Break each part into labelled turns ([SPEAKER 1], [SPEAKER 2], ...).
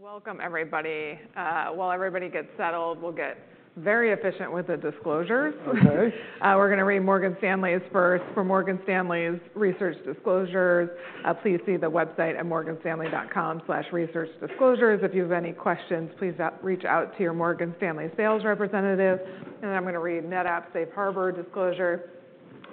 [SPEAKER 1] All right, welcome everybody. While everybody gets settled, we'll get very efficient with the disclosures.
[SPEAKER 2] Okay.
[SPEAKER 1] We're going to read Morgan Stanley's first. For Morgan Stanley's research disclosures, please see the website at morganstanley.com/researchdisclosures. If you have any questions, please reach out to your Morgan Stanley sales representative. And then I'm going to read NetApp's Safe Harbor disclosure.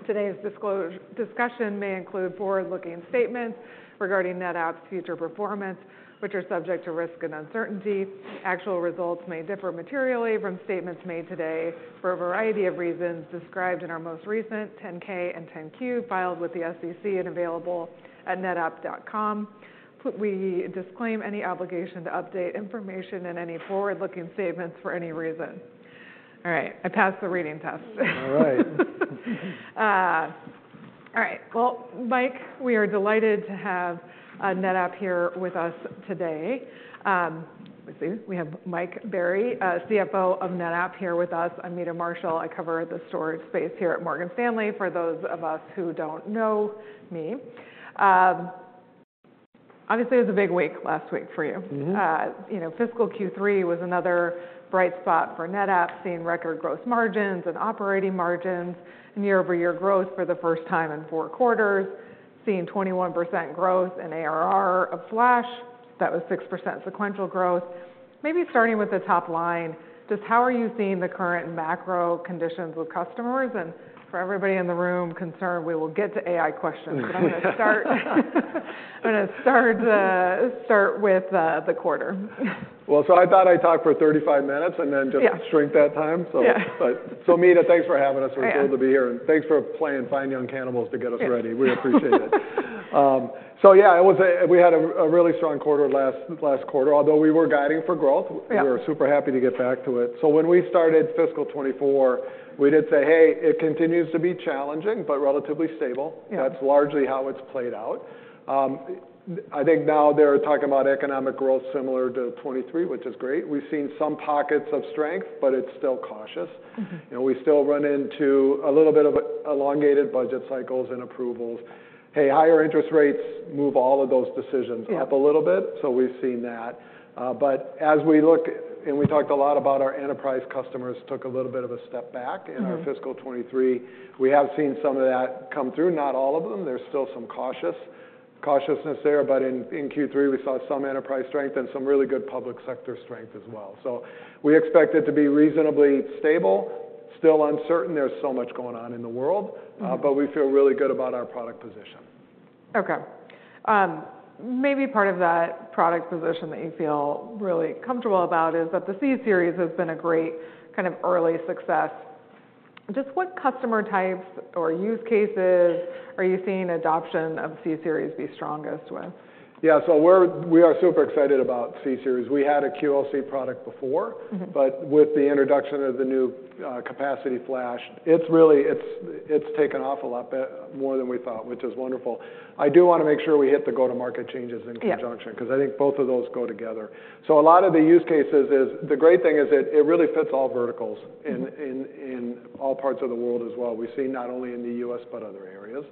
[SPEAKER 1] Today's discussion may include forward-looking statements regarding NetApp's future performance, which are subject to risk and uncertainty. Actual results may differ materially from statements made today for a variety of reasons described in our most recent 10-K and 10-Q filed with the SEC and available at netapp.com. We disclaim any obligation to update information in any forward-looking statements for any reason. All right, I passed the reading test.
[SPEAKER 2] All right.
[SPEAKER 1] All right, well, Mike, we are delighted to have NetApp here with us today. Let me see, we have Mike Berry, CFO of NetApp, here with us. I'm Meta Marshall. I cover the storage space here at Morgan Stanley for those of us who don't know me. Obviously, it was a big week last week for you. Fiscal Q3 was another bright spot for NetApp, seeing record gross margins and operating margins and year-over-year growth for the first time in four quarters, seeing 21% growth in ARR of flash. That was 6% sequential growth. Maybe starting with the top line, just how are you seeing the current macro conditions with customers? And for everybody in the room concerned, we will get to AI questions, but I'm going to start with the quarter.
[SPEAKER 2] Well, so I thought I'd talk for 35 minutes and then just shrink that time.
[SPEAKER 1] Yeah.
[SPEAKER 2] Meta, thanks for having us. We're thrilled to be here.
[SPEAKER 1] Thank you.
[SPEAKER 2] Thanks for playing Fine Young Cannibals to get us ready. We appreciate it. Yeah, we had a really strong quarter last quarter, although we were guiding for growth.
[SPEAKER 1] Yeah.
[SPEAKER 2] We were super happy to get back to it. So when we started fiscal 2024, we did say, "Hey, it continues to be challenging but relatively stable.
[SPEAKER 1] Yeah.
[SPEAKER 2] That's largely how it's played out. I think now they're talking about economic growth similar to 2023, which is great. We've seen some pockets of strength, but it's still cautious. We still run into a little bit of elongated budget cycles and approvals. Hey, higher interest rates move all of those decisions up a little bit, so we've seen that. But as we look, and we talked a lot about our enterprise customers took a little bit of a step back in our fiscal 2023, we have seen some of that come through. Not all of them. There's still some cautiousness there. But in Q3, we saw some enterprise strength and some really good public sector strength as well. So we expect it to be reasonably stable. Still uncertain. There's so much going on in the world, but we feel really good about our product position.
[SPEAKER 1] Okay. Maybe part of that product position that you feel really comfortable about is that the C-Series has been a great kind of early success. Just what customer types or use cases are you seeing adoption of the C-Series be strongest with?
[SPEAKER 2] Yeah, so we are super excited about the C-Series. We had a QLC product before, but with the introduction of the new capacity flash, it's taken off a lot more than we thought, which is wonderful. I do want to make sure we hit the go-to-market changes in conjunction.
[SPEAKER 1] Yeah.
[SPEAKER 2] Because I think both of those go together. So a lot of the use cases is the great thing is it really fits all verticals in all parts of the world as well. We see not only in the U.S. but other areas.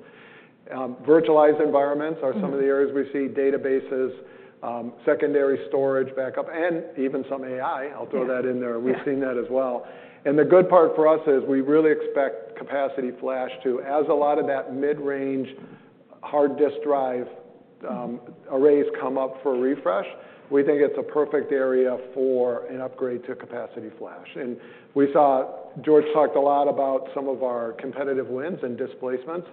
[SPEAKER 2] Virtualized environments are some of the areas we see. Databases, secondary storage, backup, and even some AI. I'll throw that in there. We've seen that as well. And the good part for us is we really expect capacity flash to, as a lot of that mid-range hard disk drive arrays come up for refresh, we think it's a perfect area for an upgrade to capacity flash. And we saw George talked a lot about some of our competitive wins and displacements.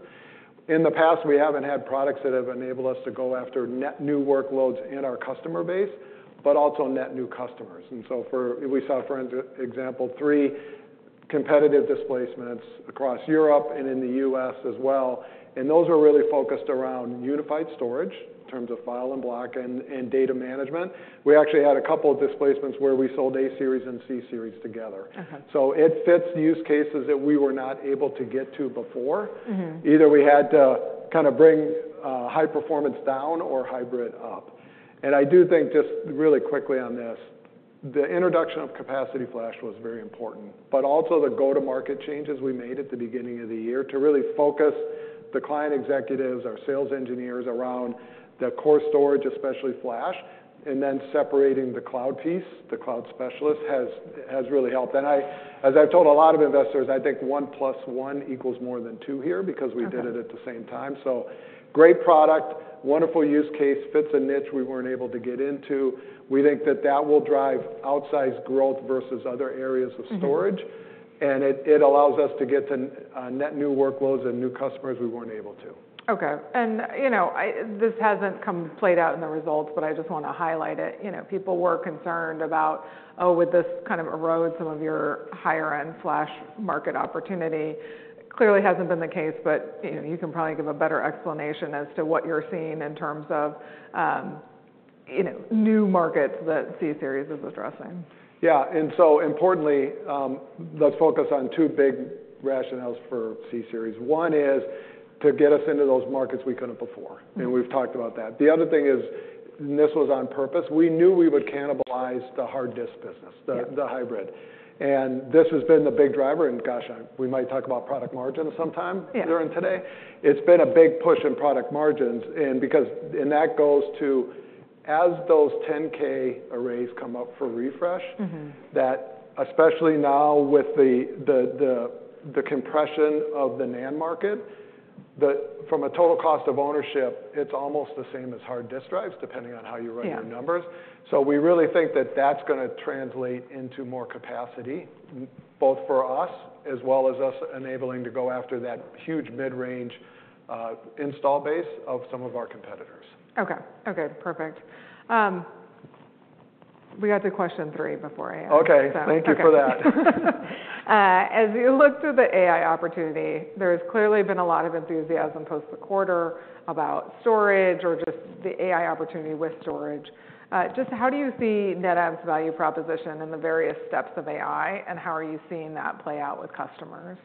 [SPEAKER 2] In the past, we haven't had products that have enabled us to go after net new workloads in our customer base, but also net new customers. So we saw, for example, three competitive displacements across Europe and in the U.S. as well. Those were really focused around unified storage in terms of file and block and data management. We actually had a couple of displacements where we sold A-Series and C-Series together. So it fits use cases that we were not able to get to before. Either we had to kind of bring high performance down or hybrid up. I do think just really quickly on this, the introduction of capacity flash was very important, but also the go-to-market changes we made at the beginning of the year to really focus the client executives, our sales engineers around the core storage, especially flash, and then separating the cloud piece, the cloud specialist has really helped. As I've told a lot of investors, I think one plus one equals more than two here because we did it at the same time. So great product, wonderful use case, fits a niche we weren't able to get into. We think that that will drive outsized growth versus other areas of storage. And it allows us to get to net new workloads and new customers we weren't able to.
[SPEAKER 1] Okay. And this hasn't played out in the results, but I just want to highlight it. People were concerned about, "Oh, would this kind of erode some of your higher-end flash market opportunity?" Clearly hasn't been the case, but you can probably give a better explanation as to what you're seeing in terms of new markets that C-Series is addressing.
[SPEAKER 2] Yeah. And so importantly, let's focus on two big rationales for C-Series. One is to get us into those markets we couldn't before, and we've talked about that. The other thing is, and this was on purpose, we knew we would cannibalize the hard disk business, the hybrid. And this has been the big driver. And gosh, we might talk about product margins sometime later today. It's been a big push in product margins. And that goes to as those 10K arrays come up for refresh, that especially now with the compression of the NAND market, from a total cost of ownership, it's almost the same as hard disk drives, depending on how you run your numbers. We really think that that's going to translate into more capacity, both for us as well as us enabling to go after that huge mid-range installed base of some of our competitors.
[SPEAKER 1] Okay. Okay, perfect. We got to question three before I ask, so.
[SPEAKER 2] Okay. Thank you for that.
[SPEAKER 1] As you look through the AI opportunity, there has clearly been a lot of enthusiasm post the quarter about storage or just the AI opportunity with storage. Just how do you see NetApp's value proposition in the various steps of AI, and how are you seeing that play out with customers?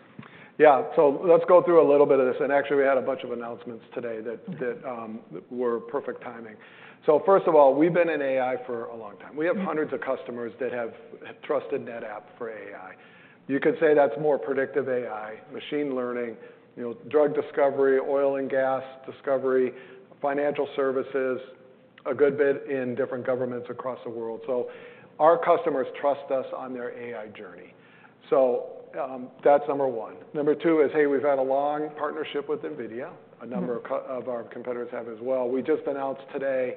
[SPEAKER 2] Yeah, so let's go through a little bit of this. And actually, we had a bunch of announcements today that were perfect timing. So first of all, we've been in AI for a long time. We have hundreds of customers that have trusted NetApp for AI. You could say that's more predictive AI, machine learning, drug discovery, oil and gas discovery, financial services, a good bit in different governments across the world. So our customers trust us on their AI journey. So that's number one. Number two is, hey, we've had a long partnership with NVIDIA. A number of our competitors have as well. We just announced today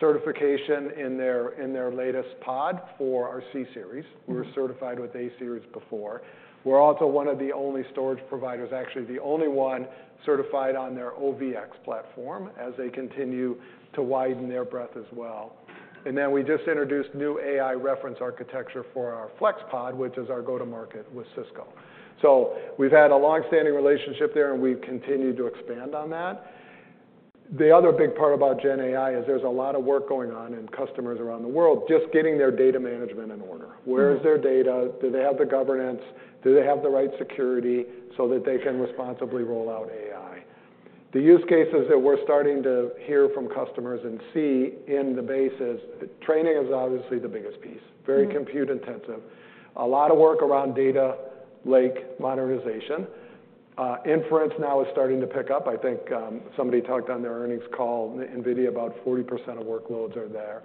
[SPEAKER 2] certification in their latest pod for our C-Series. We were certified with A-Series before. We're also one of the only storage providers, actually the only one certified on their OVX platform as they continue to widen their breadth as well. We just introduced new AI reference architecture for our FlexPod, which is our go-to-market with Cisco. We've had a longstanding relationship there, and we've continued to expand on that. The other big part about Gen AI is there's a lot of work going on in customers around the world just getting their data management in order. Where is their data? Do they have the governance? Do they have the right security so that they can responsibly roll out AI? The use cases that we're starting to hear from customers and see in the base is training is obviously the biggest piece, very compute-intensive. A lot of work around data lake modernization. Inference now is starting to pick up. I think somebody talked on their earnings call, NVIDIA, about 40% of workloads are there.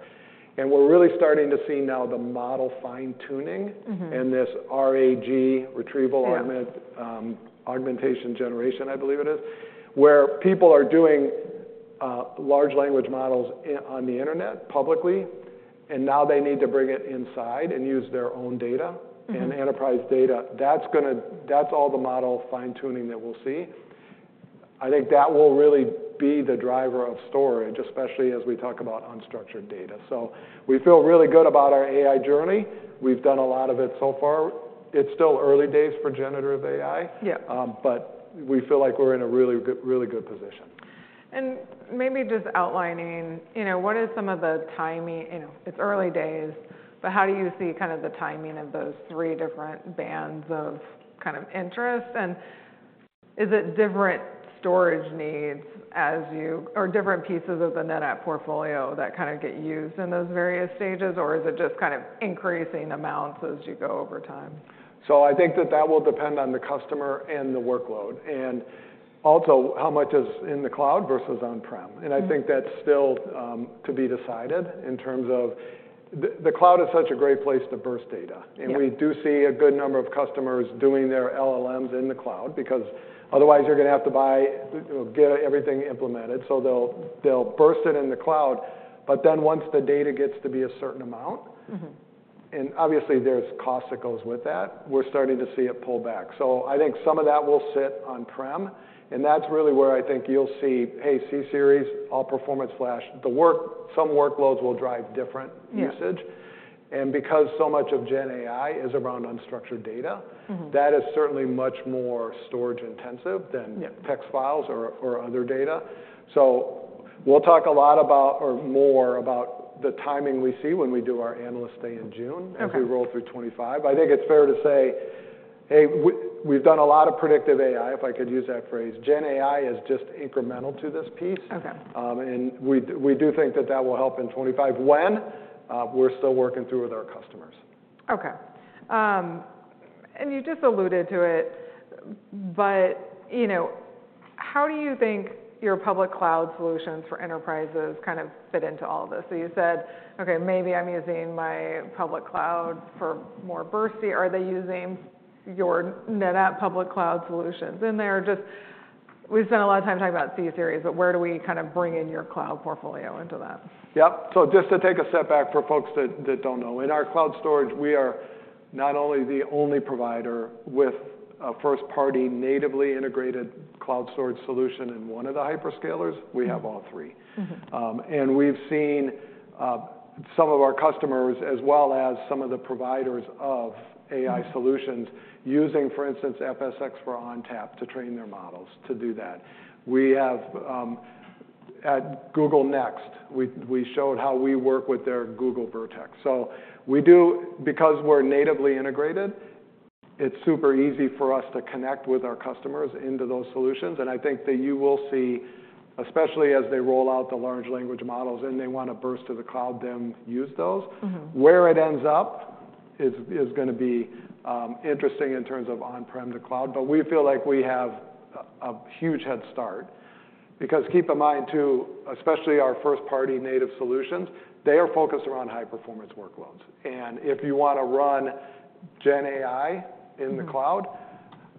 [SPEAKER 2] We're really starting to see now the model fine-tuning and this RAG, Retrieval-Augmented Generation, I believe it is, where people are doing large language models on the internet publicly, and now they need to bring it inside and use their own data and enterprise data. That's all the model fine-tuning that we'll see. I think that will really be the driver of storage, especially as we talk about unstructured data. So we feel really good about our AI journey. We've done a lot of it so far. It's still early days for generative AI, but we feel like we're in a really good position.
[SPEAKER 1] Maybe just outlining, what is some of the timing? It's early days, but how do you see kind of the timing of those three different bands of kind of interest? Is it different storage needs or different pieces of the NetApp portfolio that kind of get used in those various stages, or is it just kind of increasing amounts as you go over time?
[SPEAKER 2] So I think that that will depend on the customer and the workload and also how much is in the cloud versus on-prem. And I think that's still to be decided in terms of the cloud is such a great place to burst data. And we do see a good number of customers doing their LLMs in the cloud because otherwise you're going to have to buy get everything implemented. So they'll burst it in the cloud. But then once the data gets to be a certain amount, and obviously there's cost that goes with that, we're starting to see it pull back. So I think some of that will sit on-prem. And that's really where I think you'll see, hey, C-Series, all performance flash. Some workloads will drive different usage. And because so much of Gen AI is around unstructured data, that is certainly much more storage-intensive than text files or other data. So we'll talk a lot about or more about the timing we see when we do our analyst day in June as we roll through 2025. I think it's fair to say, hey, we've done a lot of predictive AI, if I could use that phrase. Gen AI is just incremental to this piece. And we do think that that will help in 2025 when we're still working through with our customers.
[SPEAKER 1] Okay. And you just alluded to it, but how do you think your public cloud solutions for enterprises kind of fit into all of this? So you said, "Okay, maybe I'm using my public cloud for more bursty." Are they using your NetApp public cloud solutions? And there, we just spent a lot of time talking about C-Series, but where do we kind of bring in your cloud portfolio into that?
[SPEAKER 2] Yep. So just to take a step back for folks that don't know, in our Cloud Storage, we are not only the only provider with a first-party natively integrated Cloud Storage solution in one of the hyperscalers, we have all three. And we've seen some of our customers as well as some of the providers of AI solutions using, for instance, FSx for ONTAP to train their models to do that. At Google Next, we showed how we work with their Google Vertex. So because we're natively integrated, it's super easy for us to connect with our customers into those solutions. And I think that you will see, especially as they roll out the large language models and they want to burst to the cloud, them use those. Where it ends up is going to be interesting in terms of on-prem to cloud. But we feel like we have a huge head start because keep in mind too, especially our first-party native solutions, they are focused around high-performance workloads. And if you want to run Gen AI in the cloud,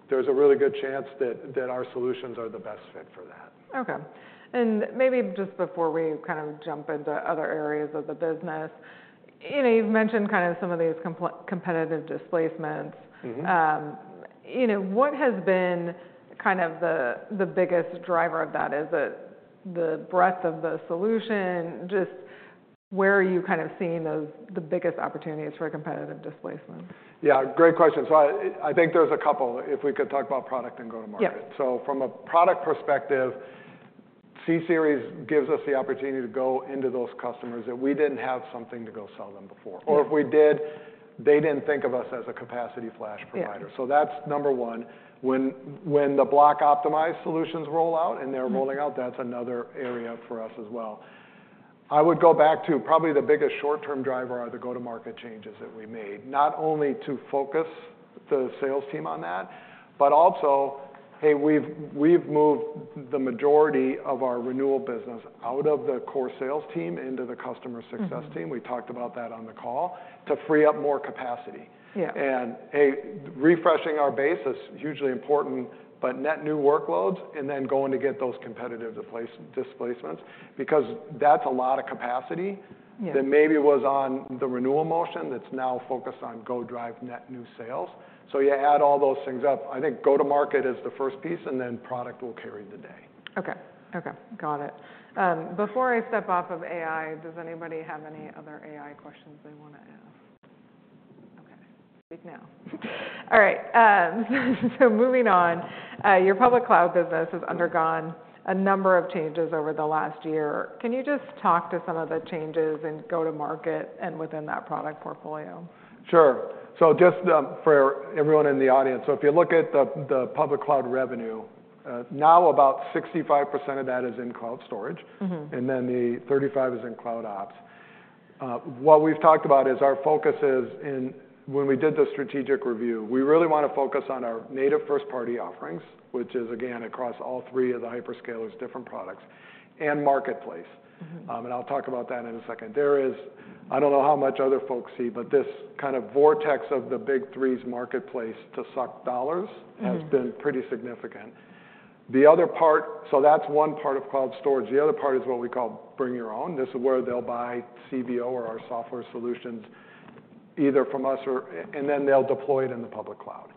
[SPEAKER 2] there's a really good chance that our solutions are the best fit for that.
[SPEAKER 1] Okay. Maybe just before we kind of jump into other areas of the business, you've mentioned kind of some of these competitive displacements. What has been kind of the biggest driver of that? Is it the breadth of the solution? Just where are you kind of seeing the biggest opportunities for competitive displacement?
[SPEAKER 2] Yeah, great question. So I think there's a couple if we could talk about product and go-to-market. So from a product perspective, C-Series gives us the opportunity to go into those customers that we didn't have something to go sell them before. Or if we did, they didn't think of us as a capacity flash provider. So that's number one. When the block-optimized solutions roll out and they're rolling out, that's another area for us as well. I would go back to probably the biggest short-term driver are the go-to-market changes that we made, not only to focus the sales team on that, but also, hey, we've moved the majority of our renewal business out of the core sales team into the customer success team. We talked about that on the call to free up more capacity. And hey, refreshing our base is hugely important, but net new workloads and then going to get those competitive displacements because that's a lot of capacity that maybe was on the renewal motion that's now focused on go-drive net new sales. So you add all those things up. I think go-to-market is the first piece, and then product will carry the day.
[SPEAKER 1] Okay. Okay. Got it. Before I step off of AI, does anybody have any other AI questions they want to ask? Okay. Speak now. All right. So moving on, your public cloud business has undergone a number of changes over the last year. Can you just talk to some of the changes in go-to-market and within that product portfolio?
[SPEAKER 2] Sure. So just for everyone in the audience, so if you look at the public cloud revenue, now about 65% of that is in Cloud Storage, and then the 35% is in CloudOps. What we've talked about is our focus is in when we did the strategic review, we really want to focus on our native first-party offerings, which is, again, across all three of the hyperscalers' different products, and marketplace. And I'll talk about that in a second. I don't know how much other folks see, but this kind of vortex of the big three's marketplace to suck dollars has been pretty significant. So that's one part of Cloud Storage. The other part is what we call bring your own. This is where they'll buy CVO or our software solutions either from us, and then they'll deploy it in the public cloud.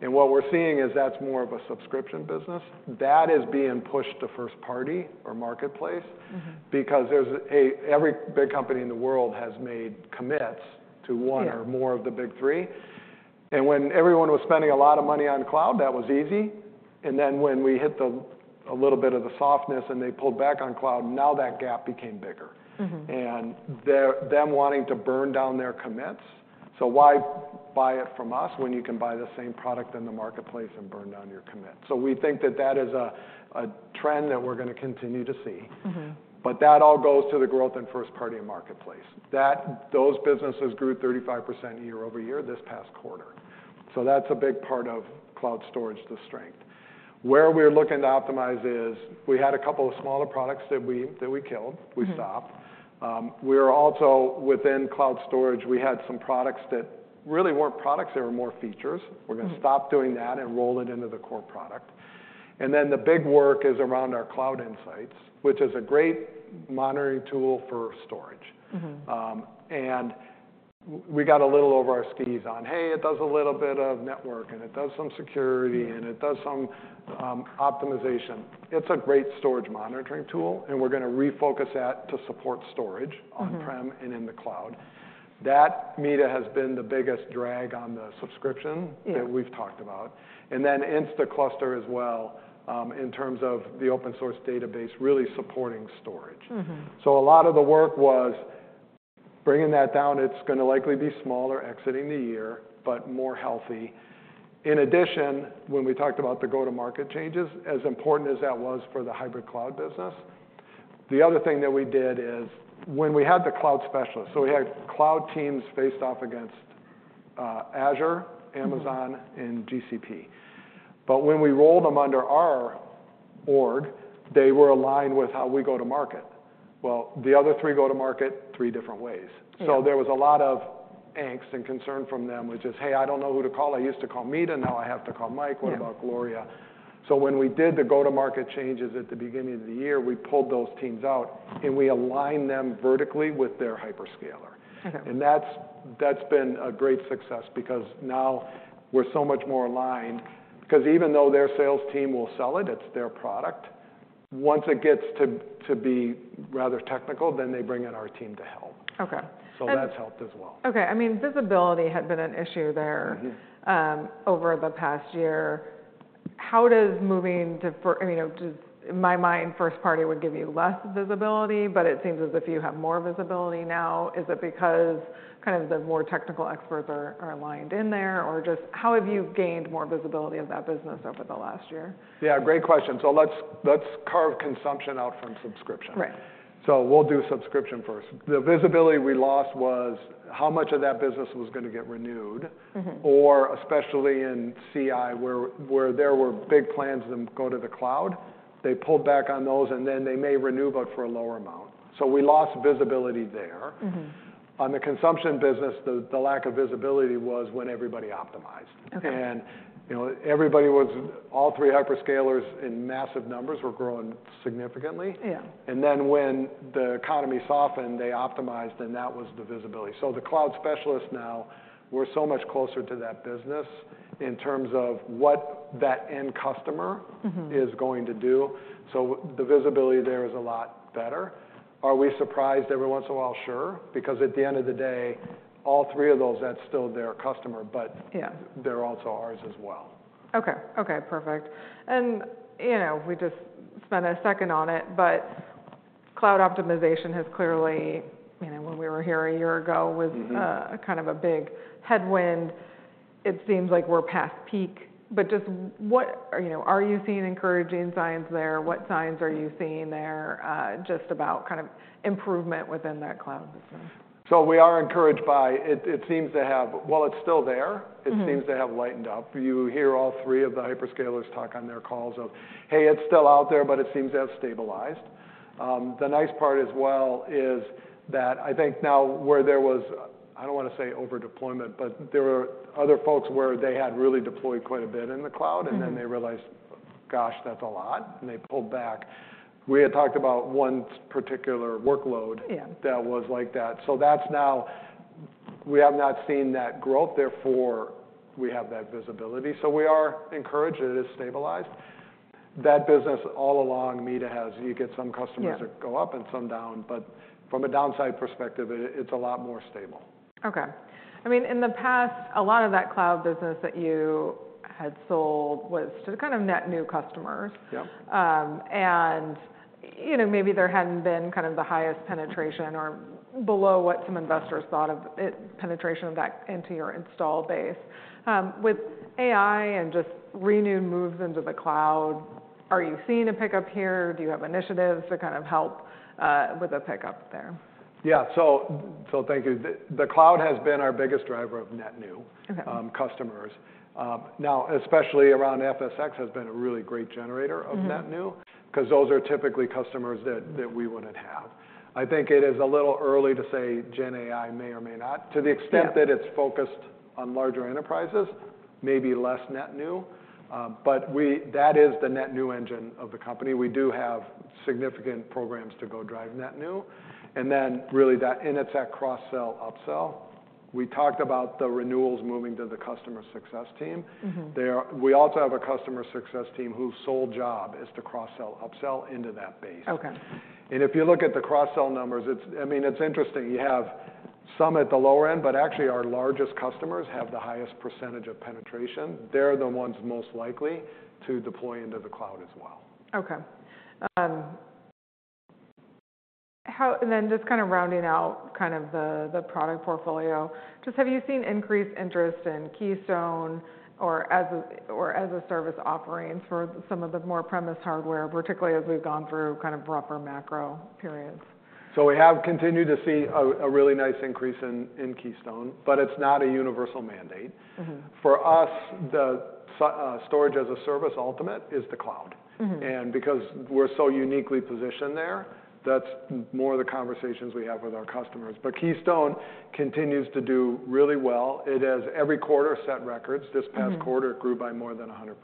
[SPEAKER 2] What we're seeing is that's more of a subscription business. That is being pushed to first-party or marketplace because every big company in the world has made commits to one or more of the big three. And when everyone was spending a lot of money on cloud, that was easy. And then when we hit a little bit of the softness and they pulled back on cloud, now that gap became bigger. And them wanting to burn down their commits. So why buy it from us when you can buy the same product in the marketplace and burn down your commit? So we think that that is a trend that we're going to continue to see. But that all goes to the growth in first-party and marketplace. Those businesses grew 35% year-over-year this past quarter. So that's a big part of Cloud Storage, the strength. Where we're looking to optimize is we had a couple of smaller products that we killed. We stopped. Also, within Cloud Storage, we had some products that really weren't products. They were more features. We're going to stop doing that and roll it into the core product. And then the big work is around our Cloud Insights, which is a great monitoring tool for storage. And we got a little over our skis on, hey, it does a little bit of network, and it does some security, and it does some optimization. It's a great storage monitoring tool, and we're going to refocus that to support storage on-prem and in the cloud. That Meta has been the biggest drag on the subscription that we've talked about. And then Instaclustr as well in terms of the open-source database really supporting storage. So a lot of the work was bringing that down. It's going to likely be smaller exiting the year, but more healthy. In addition, when we talked about the go-to-market changes, as important as that was for the hybrid cloud business, the other thing that we did is when we had the cloud specialists, so we had cloud teams faced off against Azure, Amazon, and GCP. But when we rolled them under our org, they were aligned with how we go to market. Well, the other three go to market three different ways. So there was a lot of angst and concern from them with just, hey, I don't know who to call. I used to call Meta. Now I have to call Mike. What about Gloria? So when we did the go-to-market changes at the beginning of the year, we pulled those teams out, and we aligned them vertically with their hyperscaler. That's been a great success because now we're so much more aligned because even though their sales team will sell it, it's their product. Once it gets to be rather technical, then they bring in our team to help. That's helped as well.
[SPEAKER 1] Okay. I mean, visibility had been an issue there over the past year. How does moving to, in my mind, first-party would give you less visibility, but it seems as if you have more visibility now? Is it because kind of the more technical experts are aligned in there, or just, how have you gained more visibility of that business over the last year?
[SPEAKER 2] Yeah, great question. Let's carve consumption out from subscription. We'll do subscription first. The visibility we lost was how much of that business was going to get renewed, or especially in CI where there were big plans to go to the cloud, they pulled back on those, and then they may renew, but for a lower amount. We lost visibility there. On the consumption business, the lack of visibility was when everybody optimized. Everybody was—all three hyperscalers in massive numbers—growing significantly. Then when the economy softened, they optimized, and that was the visibility. The cloud specialists now, we're so much closer to that business in terms of what that end customer is going to do. The visibility there is a lot better. Are we surprised every once in a while? Sure. Because at the end of the day, all three of those, that's still their customer, but they're also ours as well.
[SPEAKER 1] Okay. Okay. Perfect. And we just spent a second on it, but cloud optimization has clearly, when we were here a year ago, was kind of a big headwind. It seems like we're past peak. But just, are you seeing encouraging signs there? What signs are you seeing there just about kind of improvement within that cloud business?
[SPEAKER 2] So we are encouraged by it. It seems to have, while it's still there, lightened up. You hear all three of the hyperscalers talk on their calls of, "Hey, it's still out there, but it seems to have stabilized." The nice part as well is that I think now where there was I don't want to say overdeployment, but there were other folks where they had really deployed quite a bit in the cloud, and then they realized, "Gosh, that's a lot." And they pulled back. We had talked about one particular workload that was like that. So we have not seen that growth. Therefore, we have that visibility. So we are encouraged. It is stabilized. That business all along, Meta has you get some customers that go up and some down. But from a downside perspective, it's a lot more stable.
[SPEAKER 1] Okay. I mean, in the past, a lot of that cloud business that you had sold was to kind of net new customers. And maybe there hadn't been kind of the highest penetration or below what some investors thought of penetration of that into your install base. With AI and just renewed moves into the cloud, are you seeing a pickup here? Do you have initiatives to kind of help with a pickup there?
[SPEAKER 2] Yeah. So thank you. The cloud has been our biggest driver of net new customers. Now, especially around FSx has been a really great generator of net new because those are typically customers that we wouldn't have. I think it is a little early to say Gen AI may or may not to the extent that it's focused on larger enterprises, maybe less net new. But that is the net new engine of the company. We do have significant programs to drive net new. And then really that in its cross-sell, upsell, we talked about the renewals moving to the customer success team. We also have a customer success team whose sole job is to cross-sell, upsell into that base. And if you look at the cross-sell numbers, I mean, it's interesting. You have some at the lower end, but actually our largest customers have the highest percentage of penetration. They're the ones most likely to deploy into the cloud as well.
[SPEAKER 1] Okay. And then just kind of rounding out kind of the product portfolio, just have you seen increased interest in Keystone or as-a-service offerings for some of the more on-premise hardware, particularly as we've gone through kind of rougher macro periods?
[SPEAKER 2] So we have continued to see a really nice increase in Keystone, but it's not a universal mandate. For us, the storage as-a-service ultimate is the cloud. And because we're so uniquely positioned there, that's more the conversations we have with our customers. But Keystone continues to do really well. It has every quarter set records. This past quarter, it grew by more than 100%.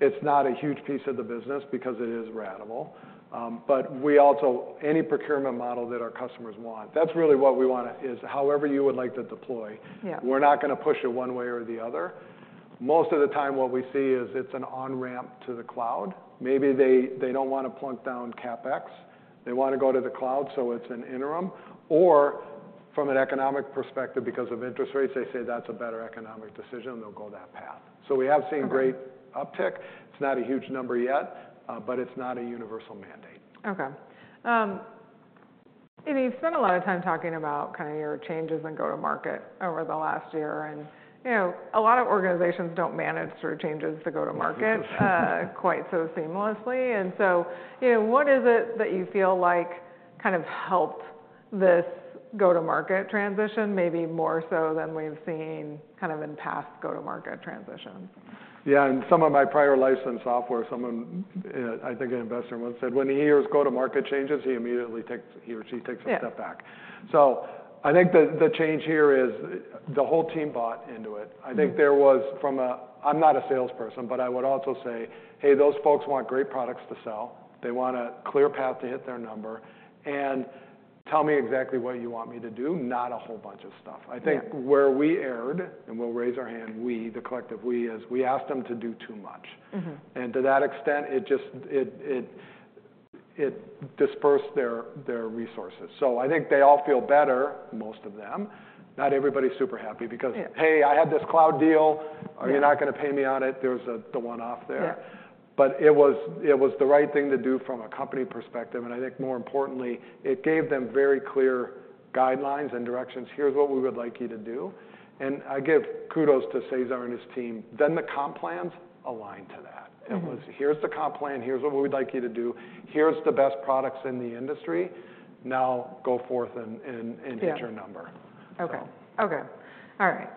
[SPEAKER 2] It's not a huge piece of the business because it is radical. But any procurement model that our customers want, that's really what we want is however you would like to deploy. We're not going to push it one way or the other. Most of the time, what we see is it's an on-ramp to the cloud. Maybe they don't want to plunk down CapEx. They want to go to the cloud, so it's an interim. Or from an economic perspective, because of interest rates, they say that's a better economic decision, and they'll go that path. So we have seen great uptick. It's not a huge number yet, but it's not a universal mandate.
[SPEAKER 1] Okay. You've spent a lot of time talking about kind of your changes in go-to-market over the last year. A lot of organizations don't manage through changes to go-to-market quite so seamlessly. What is it that you feel like kind of helped this go-to-market transition, maybe more so than we've seen kind of in past go-to-market transitions?
[SPEAKER 2] Yeah. In some of my prior licensed software, someone I think an investor once said, "When he hears go-to-market changes, he immediately takes he or she takes a step back." So I think the change here is the whole team bought into it. I think there was from a I'm not a salesperson, but I would also say, "Hey, those folks want great products to sell. They want a clear path to hit their number. And tell me exactly what you want me to do, not a whole bunch of stuff." I think where we erred, and we'll raise our hand, we, the collective we, is we asked them to do too much. And to that extent, it dispersed their resources. So I think they all feel better, most of them. Not everybody's super happy because, "Hey, I had this cloud deal. Are you not going to pay me on it?" There's the one-off there. But it was the right thing to do from a company perspective. And I think more importantly, it gave them very clear guidelines and directions. Here's what we would like you to do. And I give kudos to Cesar and his team. Then the comp plans aligned to that. It was, "Here's the comp plan. Here's what we'd like you to do. Here's the best products in the industry. Now go forth and hit your number.
[SPEAKER 1] Okay. Okay. All right.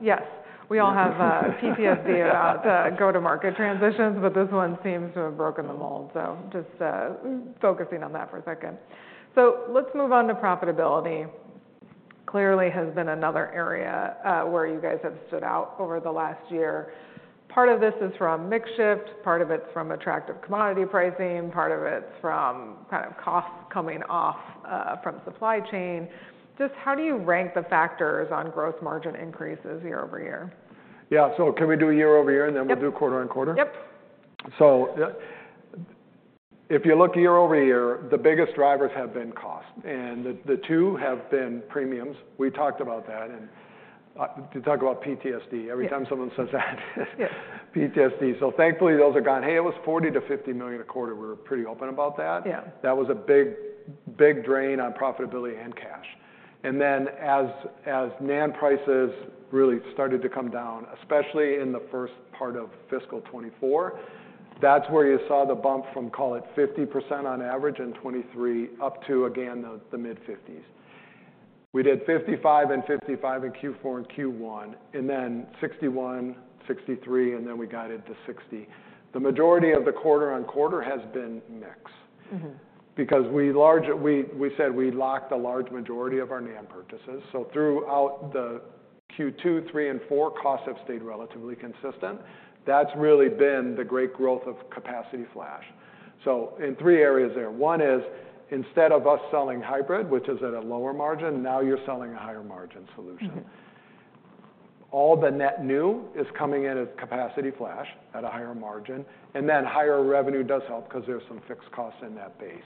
[SPEAKER 1] Yes. We all have PTSD about go-to-market transitions, but this one seems to have broken the mold. So just focusing on that for a second. So let's move on to profitability. Clearly has been another area where you guys have stood out over the last year. Part of this is from mix shift. Part of it's from attractive commodity pricing. Part of it's from kind of costs coming off from supply chain. Just how do you rank the factors on gross margin increases year over year?
[SPEAKER 2] Yeah. So can we do year-over-year, and then we'll do quarter-over-quarter?
[SPEAKER 1] Yep.
[SPEAKER 2] So if you look year-over-year, the biggest drivers have been cost. And the two have been premiums. We talked about that. And do you talk about PTSD every time someone says that? PTSD. So thankfully, those are gone. Hey, it was $40 million-$50 million a quarter. We were pretty open about that. That was a big drain on profitability and cash. And then as NAND prices really started to come down, especially in the first part of fiscal 2024, that's where you saw the bump from, call it, 50% on average in 2023 up to, again, the mid-50s. We did 55% and 55% in Q4 and Q1, and then 61%, 63%, and then we got it to 60%. The majority of the quarter-over-quarter has been mix because we said we locked the large majority of our NAND purchases. Throughout the Q2, Q3, and Q4, costs have stayed relatively consistent. That's really been the great growth of capacity flash. In three areas there. One is instead of us selling hybrid, which is at a lower margin, now you're selling a higher margin solution. All the net new is coming in as capacity flash at a higher margin. And then higher revenue does help because there's some fixed costs in that base.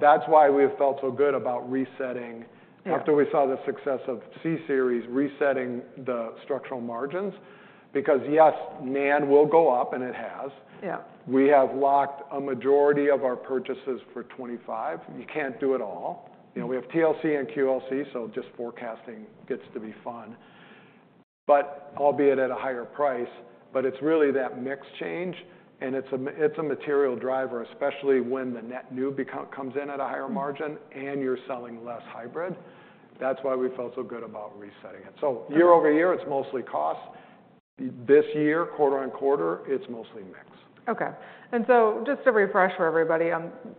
[SPEAKER 2] That's why we have felt so good about resetting after we saw the success of C-Series, resetting the structural margins because yes, NAND will go up, and it has. We have locked a majority of our purchases for 2025. You can't do it all. We have TLC and QLC, so just forecasting gets to be fun, albeit at a higher price. It's really that mix change, and it's a material driver, especially when the net new comes in at a higher margin and you're selling less hybrid. That's why we felt so good about resetting it. Year-over-year, it's mostly cost. This year, quarter-over-quarter, it's mostly mix.
[SPEAKER 1] Okay. And so just to refresh for everybody,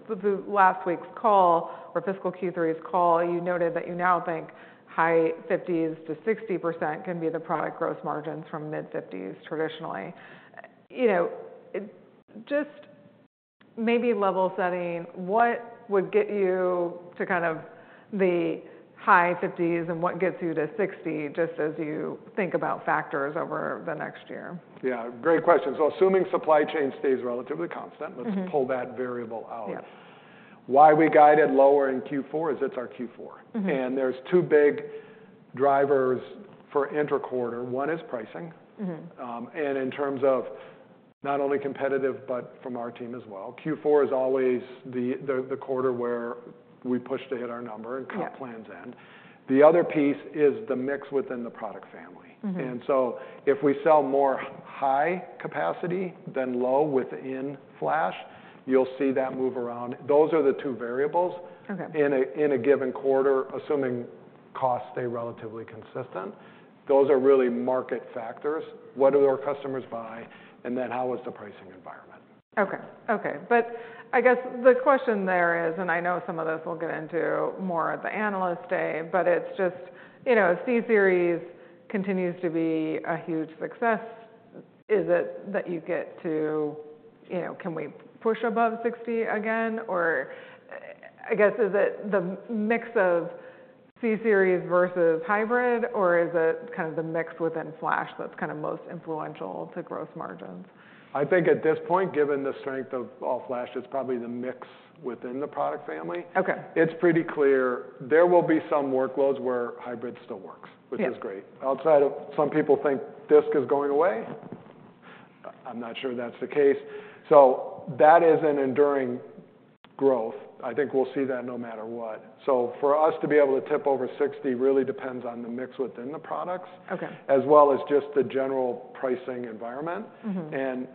[SPEAKER 1] the last week's call or fiscal Q3's call, you noted that you now think high 50s-60% can be the product gross margins from mid-50s% traditionally. Just maybe level setting, what would get you to kind of the high 50s, and what gets you to 60 just as you think about factors over the next year?
[SPEAKER 2] Yeah. Great question. So assuming supply chain stays relatively constant, let's pull that variable out. Why we guided lower in Q4 is it's our Q4. And there's two big drivers for interquarter. One is pricing. And in terms of not only competitive, but from our team as well. Q4 is always the quarter where we push to hit our number and comp plans end. The other piece is the mix within the product family. And so if we sell more high capacity than low within flash, you'll see that move around. Those are the two variables in a given quarter, assuming costs stay relatively consistent. Those are really market factors. What do our customers buy? And then how is the pricing environment?
[SPEAKER 1] Okay. Okay. But I guess the question there is, and I know some of this we'll get into more at the analyst day, but it's just C-Series continues to be a huge success. Is it that you get to can we push above 60 again? Or I guess is it the mix of C-Series versus hybrid, or is it kind of the mix within flash that's kind of most influential to gross margins?
[SPEAKER 2] I think at this point, given the strength of all flash, it's probably the mix within the product family. It's pretty clear there will be some workloads where hybrid still works, which is great. Outside of some people think disk is going away. I'm not sure that's the case. So that is an enduring growth. I think we'll see that no matter what. So for us to be able to tip over 60 really depends on the mix within the products as well as just the general pricing environment. And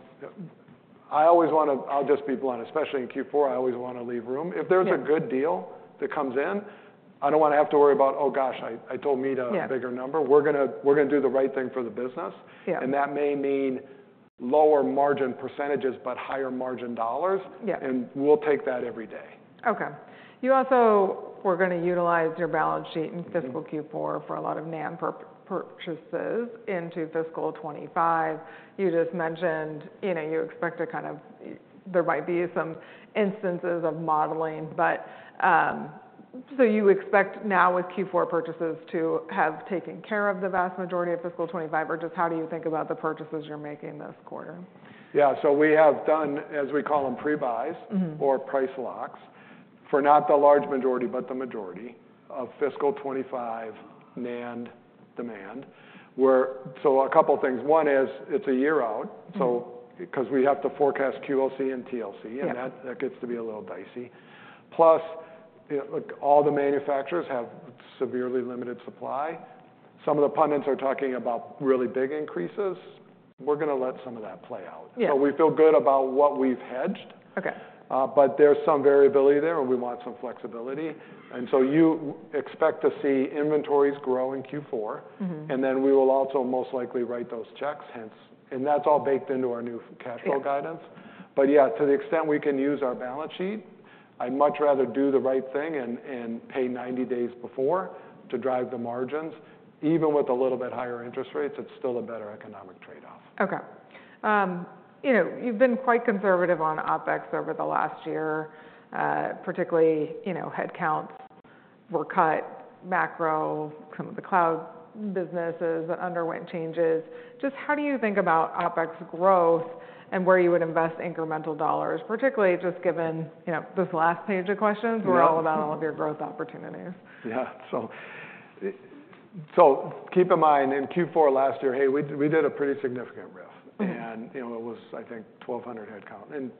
[SPEAKER 2] I always want to. I'll just be blunt. Especially in Q4, I always want to leave room. If there's a good deal that comes in, I don't want to have to worry about, "Oh gosh, I told Meta a bigger number. We're going to do the right thing for the business." That may mean lower margin percentages but higher margin dollars. We'll take that every day.
[SPEAKER 1] Okay. You also were going to utilize your balance sheet in fiscal Q4 for a lot of NAND purchases into fiscal 2025. You just mentioned you expect to kind of there might be some instances of modeling. But so you expect now with Q4 purchases to have taken care of the vast majority of fiscal 2025, or just how do you think about the purchases you're making this quarter?
[SPEAKER 2] Yeah. So we have done, as we call them, prebuys or price locks for not the large majority, but the majority of fiscal 2025 NAND demand. So a couple of things. One is it's a year out because we have to forecast QLC and TLC, and that gets to be a little dicey. Plus, all the manufacturers have severely limited supply. Some of the pundits are talking about really big increases. We're going to let some of that play out. So we feel good about what we've hedged. But there's some variability there, and we want some flexibility. And so you expect to see inventories grow in Q4. And then we will also most likely write those checks. And that's all baked into our new cash flow guidance. But yeah, to the extent we can use our balance sheet, I'd much rather do the right thing and pay 90 days before to drive the margins. Even with a little bit higher interest rates, it's still a better economic trade-off.
[SPEAKER 1] Okay. You've been quite conservative on OpEx over the last year, particularly headcounts were cut, macro, some of the cloud businesses underwent changes. Just how do you think about OpEx growth and where you would invest incremental dollars, particularly just given this last page of questions, we're all about all of your growth opportunities?
[SPEAKER 2] Yeah. So keep in mind in Q4 last year, hey, we did a pretty significant RIF. And it was, I think, 1,200 headcount. And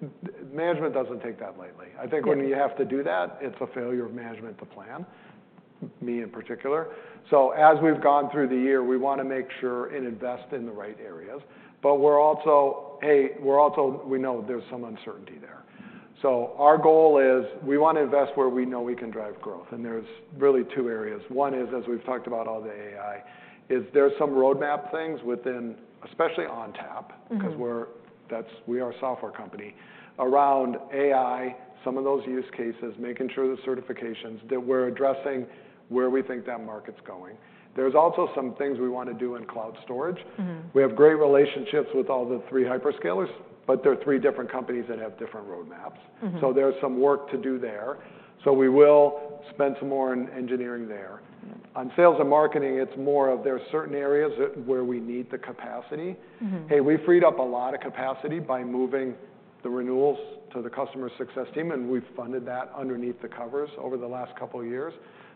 [SPEAKER 2] management doesn't take that lightly. I think when you have to do that, it's a failure of management to plan, me in particular. So as we've gone through the year, we want to make sure and invest in the right areas. But hey, we know there's some uncertainty there. So our goal is we want to invest where we know we can drive growth. And there's really two areas. One is, as we've talked about all the AI, is there's some roadmap things within, especially ONTAP because we are a software company around AI, some of those use cases, making sure the certifications that we're addressing where we think that market's going. There's also some things we want to do in Cloud Storage. We have great relationships with all the three hyperscalers, but they're three different companies that have different roadmaps. So there's some work to do there. So we will spend some more on engineering there. On sales and marketing, it's more of there's certain areas where we need the capacity. Hey, we freed up a lot of capacity by moving the renewals to the customer success team, and we've funded that underneath the covers over the last couple of years.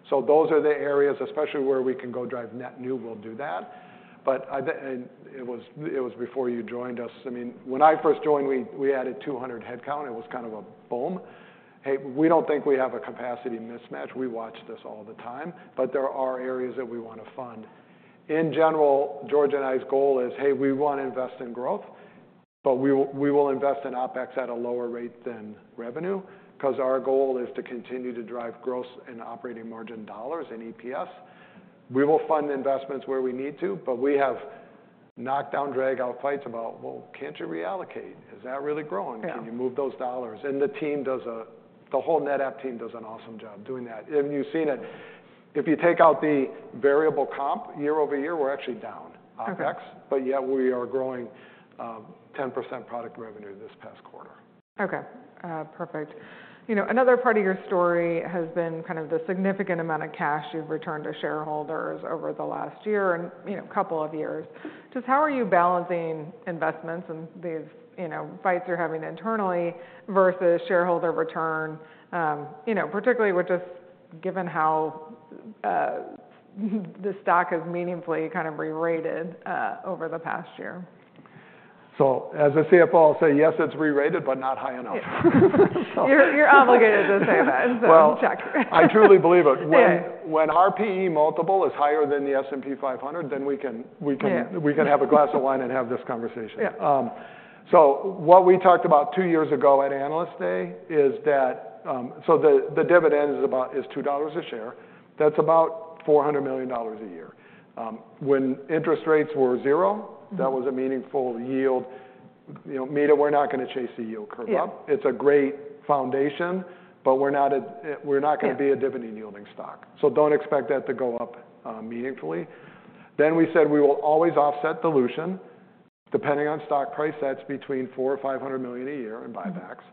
[SPEAKER 2] So those are the areas, especially where we can go drive net new, we'll do that. And it was before you joined us. I mean, when I first joined, we added 200 headcount. It was kind of a boom. Hey, we don't think we have a capacity mismatch. We watch this all the time. But there are areas that we want to fund. In general, George and I's goal is, hey, we want to invest in growth, but we will invest in OpEx at a lower rate than revenue because our goal is to continue to drive gross and operating margin dollars and EPS. We will fund investments where we need to, but we have knockdown, dragout fights about, "Well, can't you reallocate? Is that really growing? Can you move those dollars?" And the whole NetApp team does an awesome job doing that. And you've seen it. If you take out the variable comp year-over-year, we're actually down OpEx. But yet, we are growing 10% product revenue this past quarter.
[SPEAKER 1] Okay. Perfect. Another part of your story has been kind of the significant amount of cash you've returned to shareholders over the last year and a couple of years. Just how are you balancing investments and these fights you're having internally versus shareholder return, particularly with just given how the stock has meaningfully kind of rerated over the past year?
[SPEAKER 2] As a CFO, I'll say, "Yes, it's rerated, but not high enough.
[SPEAKER 1] You're obligated to say that. So check.
[SPEAKER 2] Well, I truly believe it. When our P/E multiple is higher than the S&P 500, then we can have a glass of wine and have this conversation. So what we talked about two years ago at analyst day is that so the dividend is $2 a share. That's about $400 million a year. When interest rates were zero, that was a meaningful yield. Meta, we're not going to chase the yield curve up. It's a great foundation, but we're not going to be a dividend-yielding stock. So don't expect that to go up meaningfully. Then we said we will always offset dilution depending on stock price. That's between $400 million or $500 million a year in buybacks.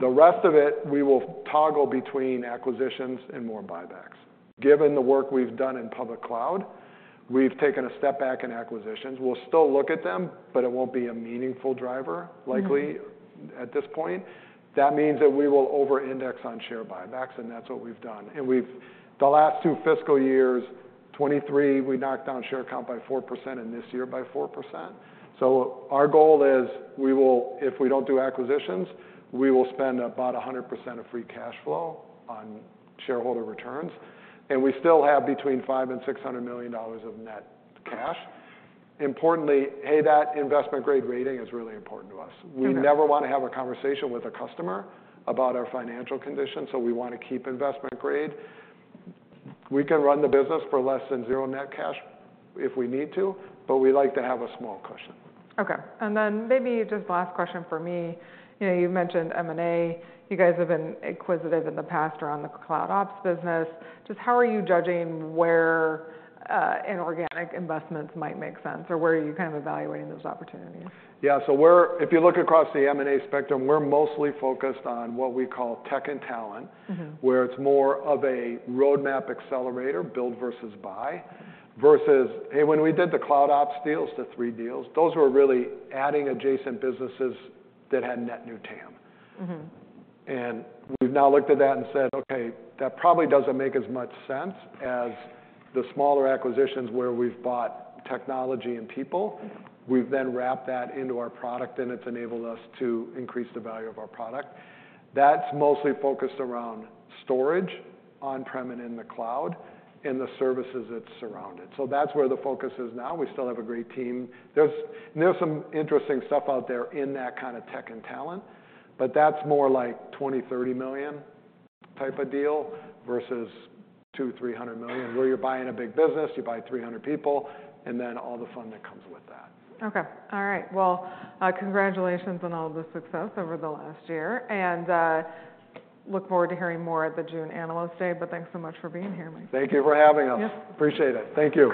[SPEAKER 2] The rest of it, we will toggle between acquisitions and more buybacks. Given the work we've done in public cloud, we've taken a step back in acquisitions. We'll still look at them, but it won't be a meaningful driver likely at this point. That means that we will over-index on share buybacks, and that's what we've done. The last two fiscal years, 2023, we knocked down share count by 4% and this year by 4%. Our goal is if we don't do acquisitions, we will spend about 100% of free cash flow on shareholder returns. We still have between $500 million and $600 million of net cash. Importantly, hey, that investment grade rating is really important to us. We never want to have a conversation with a customer about our financial condition. We want to keep investment grade. We can run the business for less than zero net cash if we need to, but we like to have a small cushion.
[SPEAKER 1] Okay. And then maybe just last question for me. You've mentioned M&A. You guys have been acquisitive in the past around the CloudOps business. Just how are you judging where inorganic investments might make sense, or where are you kind of evaluating those opportunities?
[SPEAKER 2] Yeah. So if you look across the M&A spectrum, we're mostly focused on what we call tech and talent, where it's more of a roadmap accelerator, build versus buy, versus, hey, when we did the CloudOps deals to three deals, those were really adding adjacent businesses that had net new TAM. And we've now looked at that and said, "Okay, that probably doesn't make as much sense as the smaller acquisitions where we've bought technology and people. We've then wrapped that into our product, and it's enabled us to increase the value of our product." That's mostly focused around storage, on-prem, and in the cloud, and the services that surround it. So that's where the focus is now. We still have a great team. There's some interesting stuff out there in that kind of tech and talent, but that's more like $20-$30 million type of deal versus $200-$300 million. Where you're buying a big business, you buy 300 people and then all the fun that comes with that.
[SPEAKER 1] Okay. All right. Well, congratulations on all the success over the last year. And look forward to hearing more at the June Analyst Day. But thanks so much for being here, Mike.
[SPEAKER 2] Thank you for having us. Appreciate it. Thank you.